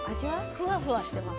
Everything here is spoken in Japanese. ふわふわしてます。